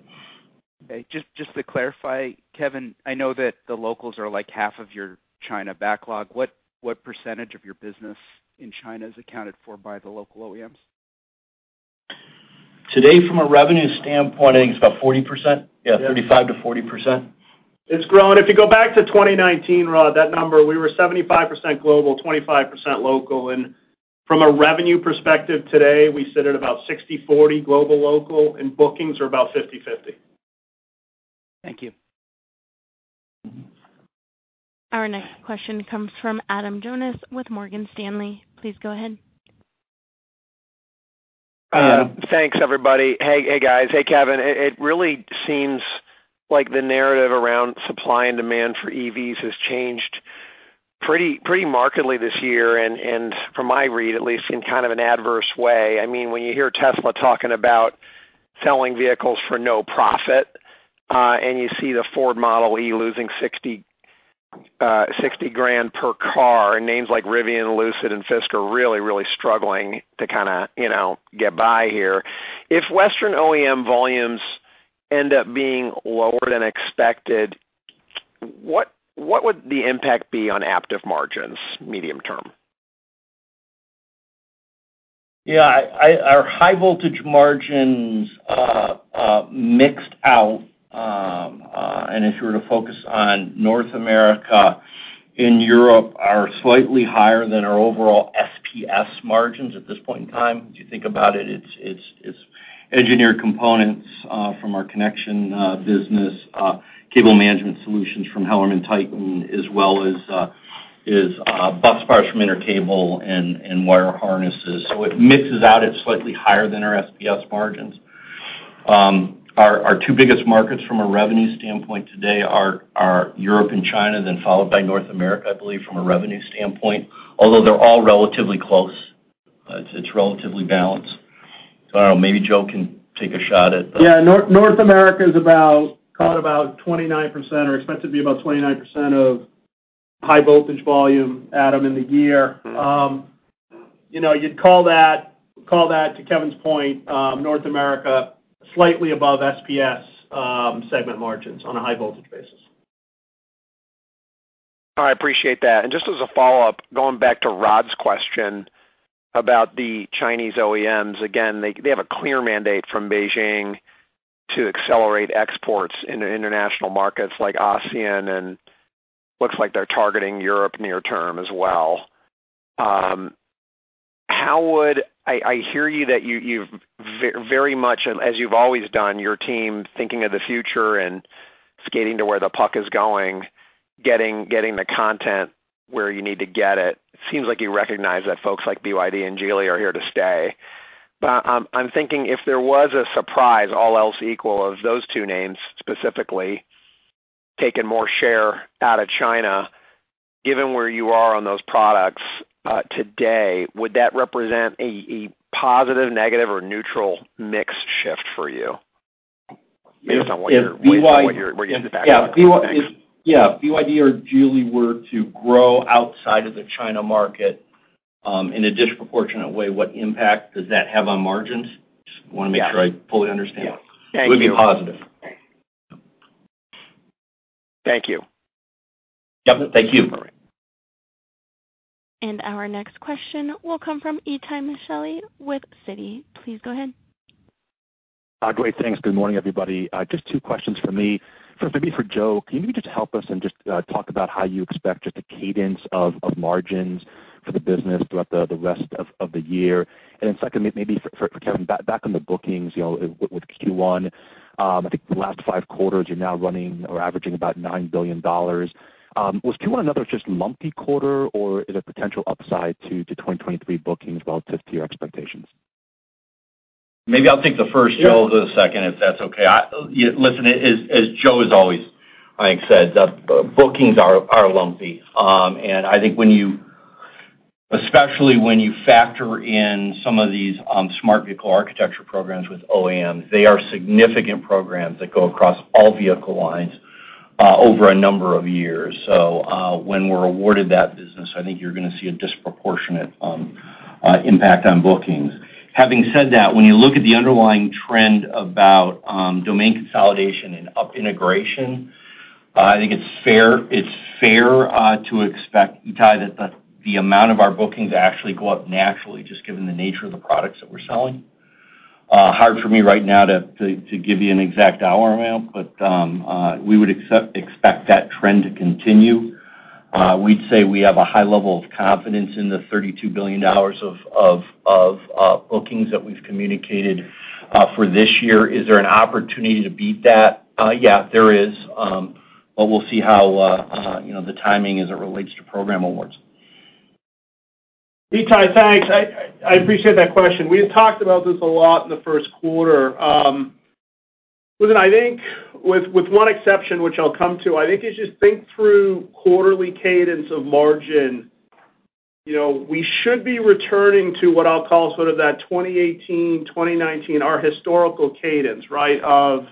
Okay. Just to clarify, Kevin, I know that the locals are like half of your China backlog. What percentage of your business in China is accounted for by the local OEMs? Today, from a revenue standpoint, I think it's about 40%. Yeah, 35%-40%. It's grown. If you go back to 2019, Rod, that number, we were 75% global, 25% local. From a revenue perspective today, we sit at about 60/40 global/local, and bookings are about 50/50. Thank you. Our next question comes from Adam Jonas with Morgan Stanley. Please go ahead. Thanks everybody. Hey, guys. Hey, Kevin. It really seems like the narrative around supply and demand for EVs has changed pretty markedly this year and from my read, at least in kind of an adverse way. I mean, when you hear Tesla talking about selling vehicles for no profit, and you see the Ford Model e losing $60,000 per car, and names like Rivian, Lucid and Fisker really, really struggling to kinda, you know, get by here. If Western OEM volumes end up being lower than expected, what would the impact be on Aptiv margins medium-term? Our high voltage margins mixed out, and if you were to focus on North America and Europe, are slightly higher than our overall SPS margins at this point in time. If you think about it's engineered components from our connection business, cable management solutions from HellermannTyton, as well as bus bars from Intercable and wire harnesses. It mixes out, it's slightly higher than our SPS margins. Our two biggest markets from a revenue standpoint today are Europe and China, followed by North America, I believe, from a revenue standpoint, although they're all relatively close. It's relatively balanced. I don't know, maybe Joe can take a shot. Yeah. North America is about, call it about 29% or expected to be about 29% of high voltage volume, Adam, in the year. You know, you'd call that, to Kevin's point, North America slightly above SPS segment margins on a high voltage basis. All right, appreciate that. Just as a follow-up, going back to Rod's question about the Chinese OEMs, again, they have a clear mandate from Beijing to accelerate exports into international markets like ASEAN and looks like they're targeting Europe near-term as well. How would, I hear you that you've very much, as you've always done, your team thinking of the future and skating to where the puck is going, getting the content where you need to get it. Seems like you recognize that folks like BYD and Geely are here to stay. I'm thinking if there was a surprise, all else equal, of those two names specifically taking more share out of China, given where you are on those products today, would that represent a positive, negative or neutral mix shift for you? Yeah. If BYD or Geely were to grow outside of the China market, in a disproportionate way, what impact does that have on margins? Just wanna make sure I fully understand. It would be positive. Thank you. Yep. Thank you. Our next question will come from Itay Michaeli with Citi. Please go ahead. Great, thanks. Good morning, everybody. Just two questions from me. First, maybe for Joe, can you just help us and just talk about how you expect the cadence of margins for the business throughout the rest of the year? Second, maybe for Kevin, back on the bookings, you know, with Q1, I think the last five quarters you're now running or averaging about $9 billion. Was Q1 another just lumpy quarter or is it potential upside to 2023 bookings relative to your expectations? Maybe I'll take the first. Joe will do the second, if that's okay. Listen, as Joe has always, I think, said, bookings are lumpy. I think when you, especially when you factor in some of these Smart Vehicle Architecture programs with OEMs, they are significant programs that go across all vehicle lines over a number of years. When we're awarded that business, I think you're gonna see a disproportionate impact on bookings. Having said that, when you look at the underlying trend about domain consolidation and up integration, I think it's fair to expect, Itay, that the amount of our bookings actually go up naturally just given the nature of the products that we're selling. Hard for me right now to give you an exact dollar amount, but we expect that trend to continue. We'd say we have a high level of confidence in the $32 billion of bookings that we've communicated for this year. Is there an opportunity to beat that? Yeah, there is. We'll see how, you know, the timing as it relates to program awards. Itay, thanks. I appreciate that question. We had talked about this a lot in the first quarter. Listen, I think with one exception, which I'll come to, I think as you think through quarterly cadence of margin, you know, we should be returning to what I'll call sort of that 2018, 2019, our historical cadence, right? Of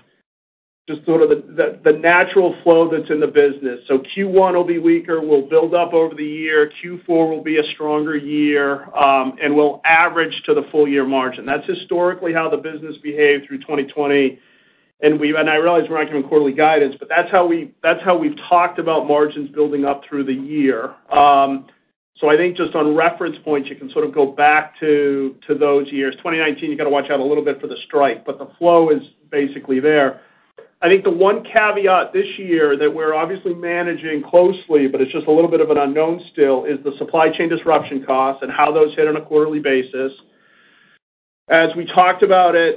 just sort of the natural flow that's in the business. Q1 will be weaker. We'll build up over the year. Q4 will be a stronger year, and we'll average to the full year margin. That's historically how the business behaved through 2020. I realize we're not giving quarterly guidance, but that's how we've talked about margins building up through the year. I think just on reference points, you can sort of go back to those years. 2019, you got to watch out a little bit for the strike, but the flow is basically there. I think the one caveat this year that we're obviously managing closely, but it's just a little bit of an unknown still, is the supply chain disruption costs and how those hit on a quarterly basis. As we talked about it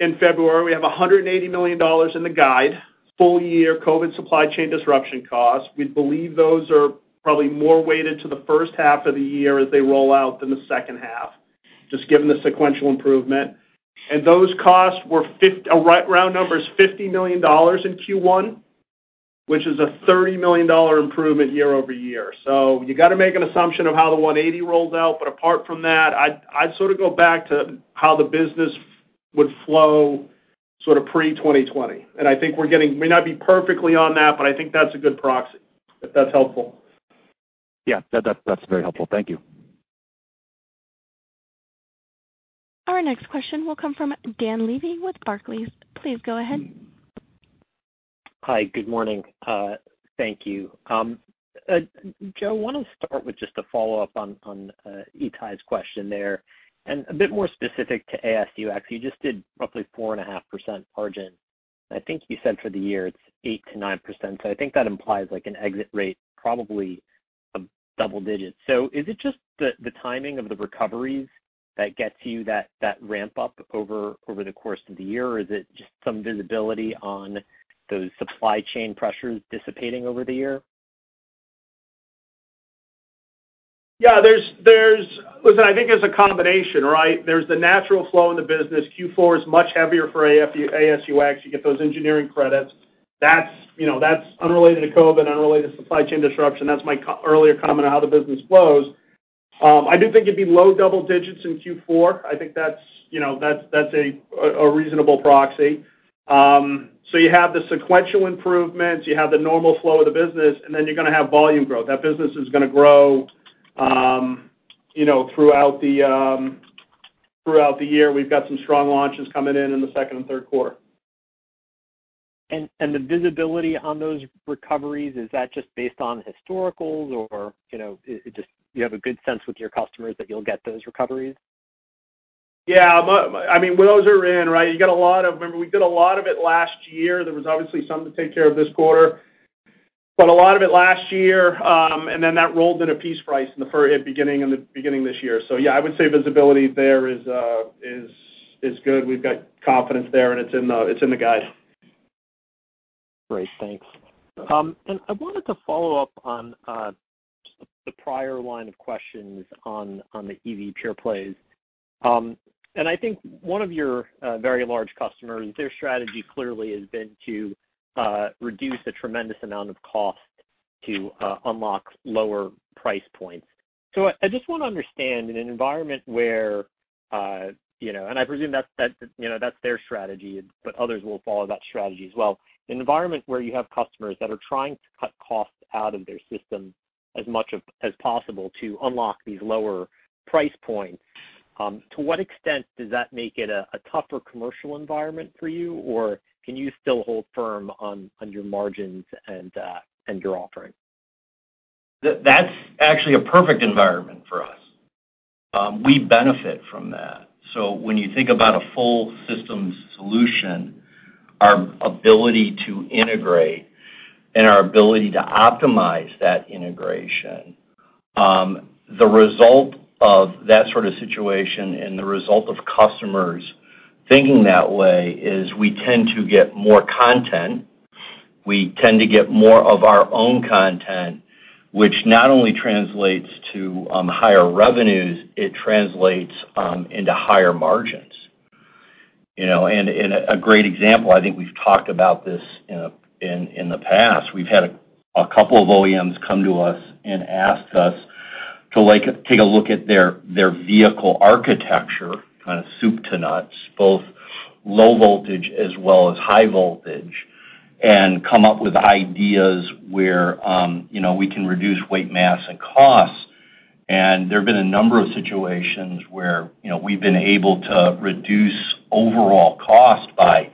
in February, we have $180 million in the guide, full year COVID supply chain disruption costs. We believe those are probably more weighted to the first half of the year as they roll out than the second half, just given the sequential improvement. Those costs were round numbers, $50 million in Q1, which is a $30 million improvement year-over-year. You got to make an assumption of how the $180 million rolls out. Apart from that, I'd sort of go back to how the business would flow sort of pre-2020. I think we're getting, may not be perfectly on that, but I think that's a good proxy, if that's helpful. Yeah, that's very helpful. Thank you. Our next question will come from Dan Levy with Barclays. Please go ahead. Hi. Good morning. Thank you. Joe, wanna start with just a follow-up on Itay's question there and a bit more specific to AS&UX. You just did roughly 4.5% margin. I think you said for the year it's 8%-9%. I think that implies, like, an exit rate probably of double digits. Is it just the timing of the recoveries that gets you that ramp up over the course of the year, or is it just some visibility on those supply chain pressures dissipating over the year? Yeah, there's, listen, I think there's a combination, right? There's the natural flow in the business. Q4 is much heavier for AS&UX. You get those engineering credits. That's, you know, that's unrelated to COVID and unrelated to supply chain disruption. That's my earlier comment on how the business flows. I do think it'd be low double digits in Q4. I think that's, you know, that's a reasonable proxy. You have the sequential improvements, you have the normal flow of the business, and then you're gonna have volume growth. That business is gonna grow, you know, throughout the year. We've got some strong launches coming in in the second and third quarter. The visibility on those recoveries, is that just based on historicals or, you know, you have a good sense with your customers that you'll get those recoveries? I mean, those are in, right? You got a lot of, remember, we did a lot of it last year. There was obviously some to take care of this quarter, but a lot of it last year. That rolled in a piece price in the beginning this year. I would say visibility there is good. We've got confidence there, and it's in the guide. Great. Thanks. I wanted to follow up on the prior line of questions on the EV pure plays. I think one of your very large customers, their strategy clearly has been to reduce a tremendous amount of cost to unlock lower price points. I just wanna understand, in an environment where you know, and I presume that's, you know, that's their strategy, but others will follow that strategy as well. In an environment where you have customers that are trying to cut costs out of their system as much as possible to unlock these lower price points, to what extent does that make it a tougher commercial environment for you? Or can you still hold firm on your margins and your offering? That's actually a perfect environment for us. We benefit from that. When you think about a full system solution, our ability to integrate and our ability to optimize that integration, the result of that sort of situation and the result of customers thinking that way is we tend to get more content. We tend to get more of our own content, which not only translates to higher revenues, it translates into higher margins. You know, a great example, I think we've talked about this in, in the past. We've had a couple of OEMs come to us and ask us to, like, take a look at their vehicle architecture, kinda soup to nuts, both low voltage as well as high voltage, and come up with ideas where, you know, we can reduce weight, mass, and cost. There have been a number of situations where, you know, we've been able to reduce overall cost by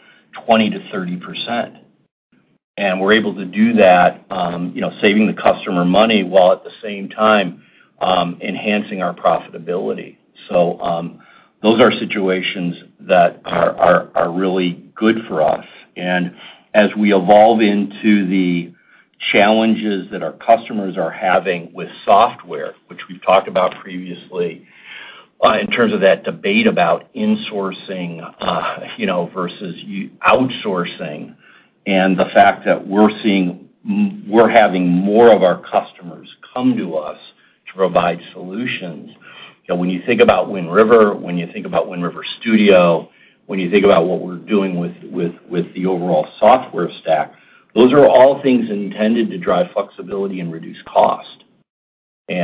20%-30%. We're able to do that, you know, saving the customer money while at the same time, enhancing our profitability. Those are situations that are really good for us. As we evolve into the challenges that our customers are having with software, which we've talked about previously, in terms of that debate about insourcing, you know, versus you outsourcing, and the fact that we're seeing we're having more of our customers come to us to provide solutions. You know, when you think about Wind River, when you think about Wind River Studio, when you think about what we're doing with the overall software stack, those are all things intended to drive flexibility and reduce cost. You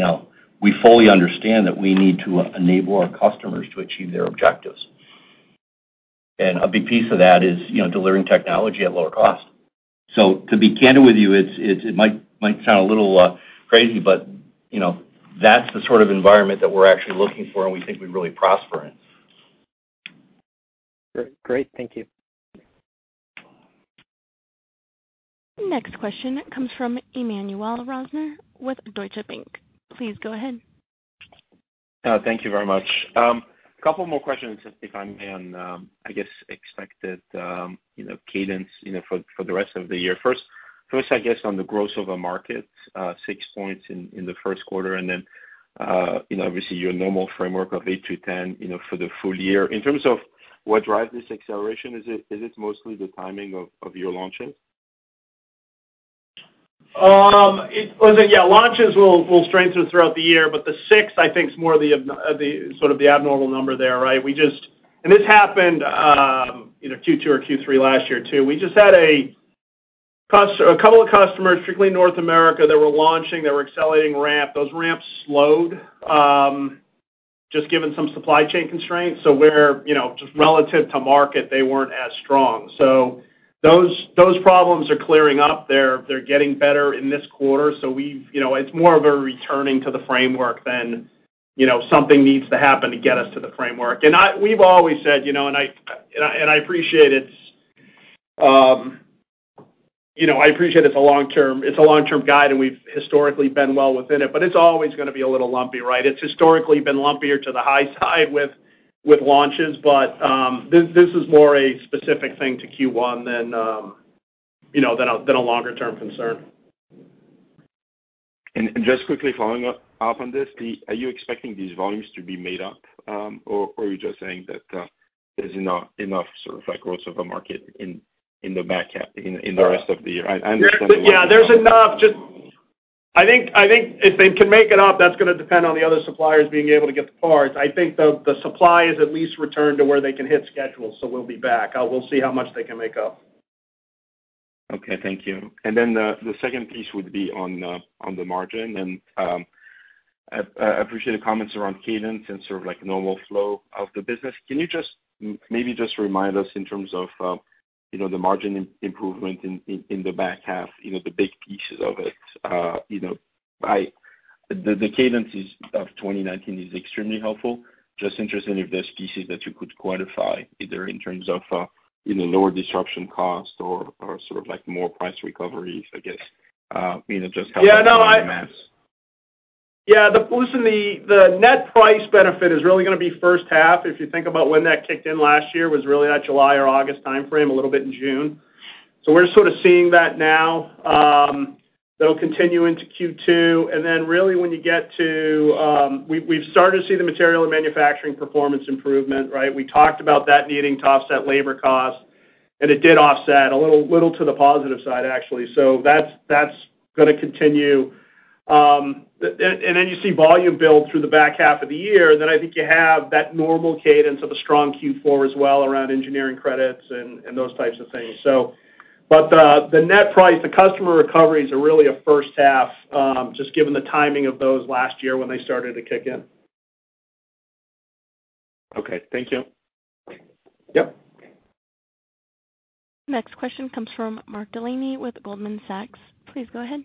know, we fully understand that we need to enable our customers to achieve their objectives. A big piece of that is, you know, delivering technology at lower cost. To be candid with you, it might sound a little crazy, but, you know, that's the sort of environment that we're actually looking for, and we think we really prosper in. Great. Thank you. Next question comes from Emmanuel Rosner with Deutsche Bank. Please go ahead. Thank you very much. A couple more questions, if I may, on, I guess, expected, you know, cadence, you know, for the rest of the year. First, I guess on the growth of a market, 6 points in the first quarter, and then, you know, obviously your normal framework of 8%-10%, you know, for the full year. In terms of what drives this acceleration, is it mostly the timing of your launches? Launches will strengthen throughout the year, the 6, I think, is more of the abnormal number there, right? This happened, you know, Q2 or Q3 last year too. We just had a couple of customers, strictly North America, that were launching, they were accelerating ramp. Those ramps slowed, just given some supply chain constraints. We're, you know, just relative to market, they weren't as strong. Those problems are clearing up. They're getting better in this quarter. We've, you know, it's more of a returning to the framework than, you know, something needs to happen to get us to the framework. We've always said, you know, and I appreciate it's, you know, I appreciate it's a long-term, it's a long-term guide, and we've historically been well within it, but it's always gonna be a little lumpy, right? It's historically been lumpier to the high side with launches, but this is more a specific thing to Q1 than, you know, than a, than a longer term concern. Just quickly following up on this, are you expecting these volumes to be made up, or are you just saying that, there's not enough sort of like growth of a market in the back half, in the rest of the year? Yeah. There's enough. I think if they can make it up, that's gonna depend on the other suppliers being able to get the parts. I think the supply is at least returned to where they can hit schedules, so we'll be back. We'll see how much they can make up. Okay. Thank you. Then the second piece would be on the margin. I appreciate the comments around cadence and sort of like normal flow of the business. Can you just maybe just remind us in terms of, you know, the margin improvement in the back half, you know, the big pieces of it? You know, the cadences of 2019 is extremely helpful. Just interested if there's pieces that you could quantify, either in terms of, you know, lower disruption cost or sort of like more price recovery, I guess, you know, just. Yeah, no, Yeah. listen, the net price benefit is really gonna be first half. If you think about when that kicked in last year was really that July or August timeframe, a little bit in June. We're sort of seeing that now. That'll continue into Q2. really when you get to, we've started to see the material and manufacturing performance improvement, right? We talked about that needing to offset labor costs, and it did offset a little to the positive side, actually. That's gonna continue. And then you see volume build through the back half of the year, then I think you have that normal cadence of a strong Q4 as well around engineering credits and those types of things, so. The net price, the customer recoveries are really a first half, just given the timing of those last year when they started to kick in. Okay. Thank you. Yep. Next question comes from Mark Delaney with Goldman Sachs. Please go ahead.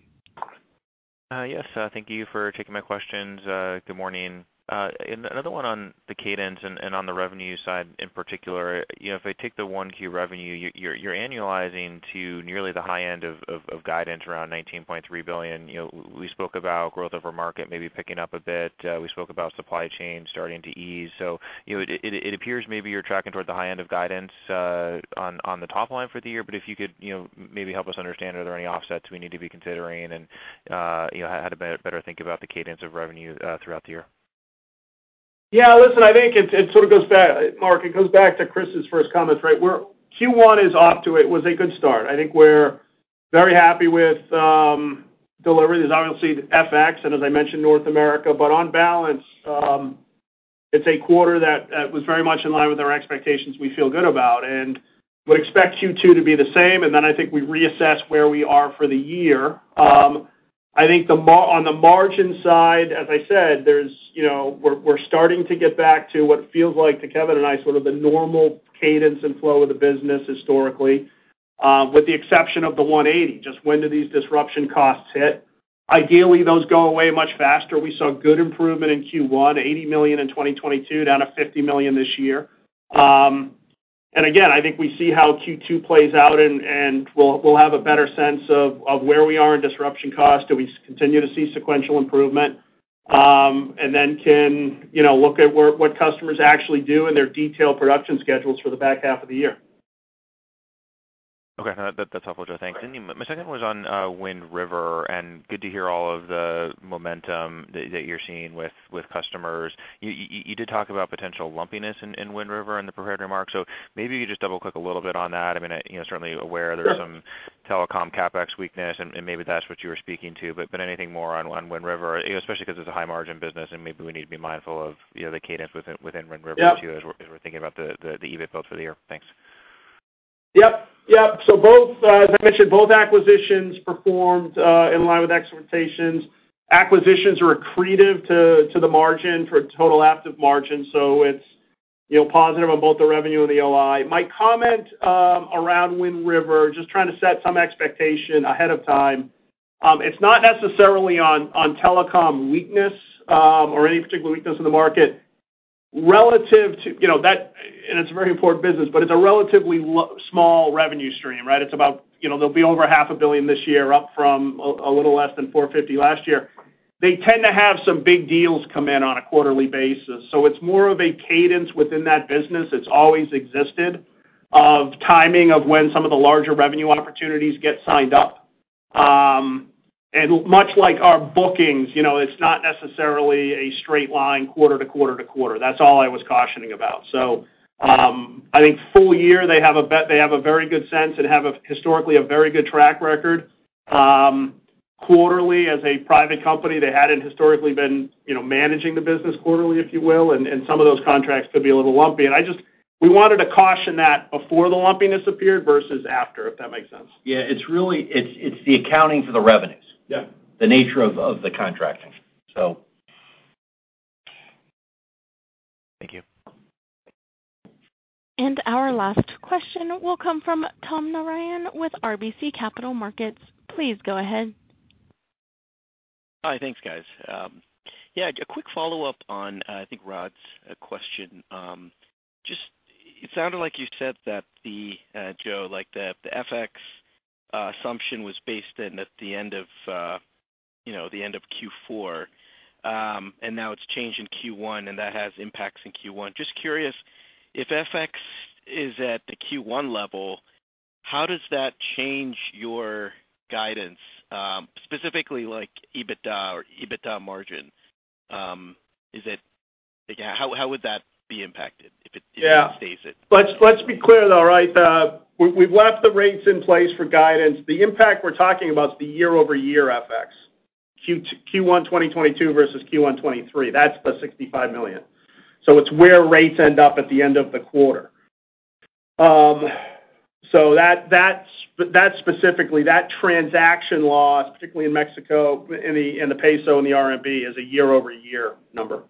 Yes, thank you for taking my questions. Good morning. Another one on the cadence and on the revenue side in particular. You know, if I take the 1Q revenue, you're annualizing to nearly the high end of guidance around $19.3 billion. You know, we spoke about growth over market maybe picking up a bit. We spoke about supply chain starting to ease. You know, it appears maybe you're tracking toward the high end of guidance on the top line for the year, but if you could, you know, maybe help us understand, are there any offsets we need to be considering and, you know, how to better think about the cadence of revenue throughout the year. Yeah, listen, I think it sort of goes back, Mark, it goes back to Chris's first comments, right? Q1 is off to it. It was a good start. I think we're very happy with deliveries. Obviously, the FX and as I mentioned, North America. On balance, it's a quarter that was very much in line with our expectations we feel good about. Would expect Q2 to be the same, I think we reassess where we are for the year. I think the, on the margin side, as I said, there's, you know, we're starting to get back to what feels like to Kevin and I, sort of the normal cadence and flow of the business historically, with the exception of the $180 million, just when do these disruption costs hit. Ideally, those go away much faster. We saw good improvement in Q1, $80 million in 2022, down to $50 million this year. Again, I think we see how Q2 plays out and we'll have a better sense of where we are in disruption cost. Do we continue to see sequential improvement? Then can, you know, look at what customers actually do and their detailed production schedules for the back half of the year. Okay. No, that's helpful, Joe. Thanks. My second was on Wind River, and good to hear all of the momentum that you're seeing with customers. You did talk about potential lumpiness in Wind River in the prepared remarks. Maybe you could just double-click a little bit on that. I mean, you know, certainly aware there's some telecom CapEx weakness, and maybe that's what you were speaking to. Anything more on Wind River, especially 'cause it's a high margin business and maybe we need to be mindful of, you know, the cadence within Wind River as we're thinking about the EBIT build for the year. Thanks. Yep. Yep. Both, as I mentioned, both acquisitions performed in line with expectations. Acquisitions are accretive to the margin for total Aptiv margin. You know, positive on both the revenue and the OI. My comment around Wind River, just trying to set some expectation ahead of time. It's not necessarily on telecom weakness or any particular weakness in the market. Relative to, you know, and it's a very important business, but it's a relatively small revenue stream, right? It's about, you know, there'll be over $500 million this year, up from a little less than $450 million last year. They tend to have some big deals come in on a quarterly basis. It's more of a cadence within that business. It's always existed of timing of when some of the larger revenue opportunities get signed up. Much like our bookings, you know, it's not necessarily a straight line quarter to quarter to quarter. That's all I was cautioning about. I think full year, they have a very good sense and have a historically a very good track record. Quarterly, as a private company, they hadn't historically been, you know, managing the business quarterly, if you will, and some of those contracts could be a little lumpy. We wanted to caution that before the lumpiness appeared versus after, if that makes sense. Yeah, it's the accounting for the revenues. The nature of the contracting. Thank you. Our last question will come from Tom Narayan with RBC Capital Markets. Please go ahead. Hi. Thanks, guys. Yeah, a quick follow-up on, I think Rod's question. Just it sounded like you said that the, Joe, like, the FX assumption was based in at the end of, you know, the end of Q4. Now it's changed in Q1, and that has impacts in Q1. Just curious, if FX is at the Q1 level, how does that change your guidance, specifically like EBITDA or EBITDA margin? Again, how would that be impacted, if it stays it? Let's be clear, though, right? We've left the rates in place for guidance. The impact we're talking about is the year-over-year FX. Q1 2022 versus Q1 2023, that's the $65 million. It's where rates end up at the end of the quarter. That, that's, that specifically, that transaction loss, particularly in Mexico, in the peso, in the RMB, is a year-over-year number.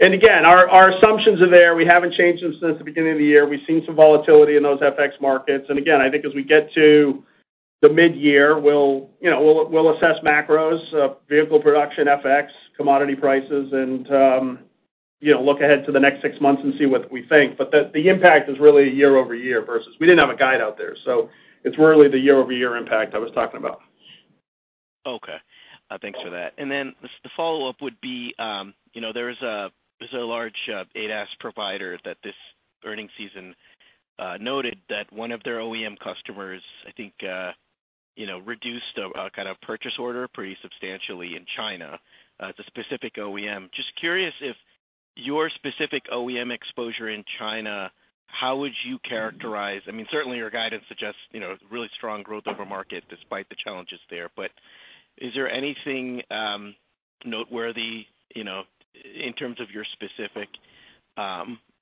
Again, our assumptions are there. We haven't changed them since the beginning of the year. We've seen some volatility in those FX markets. Again, I think as we get to the midyear, we'll, you know, we'll assess macros, vehicle production, FX, commodity prices, and, you know, look ahead to the next six months and see what we think. The impact is really year-over-year versus... We didn't have a guide out there, so it's really the year-over-year impact I was talking about. Okay. Thanks for that. The follow-up would be, you know, there is a, there's a large ADAS provider that this earning season noted that one of their OEM customers, I think, you know, reduced a kind of purchase order pretty substantially in China, it's a specific OEM. Just curious if your specific OEM exposure in China, how would you characterize... I mean, certainly your guidance suggests, you know, really strong growth over market despite the challenges there. Is there anything noteworthy, you know, in terms of your specific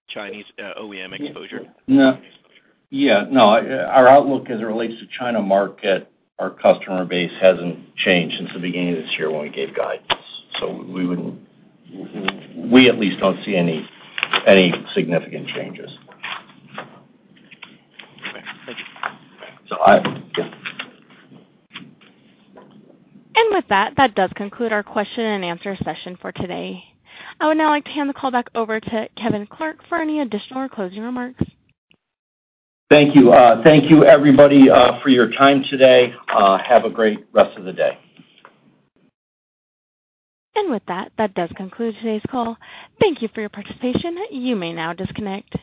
Chinese OEM exposure? Yeah. Our outlook as it relates to China market, our customer base hasn't changed since the beginning of this year when we gave guidance. We at least don't see any significant changes. Okay. Thank you. With that does conclude our question-and-answer session for today. I would now like to hand the call back over to Kevin Clark for any additional or closing remarks. Thank you. Thank you everybody, for your time today. Have a great rest of the day. With that does conclude today's call. Thank you for your participation. You may now disconnect.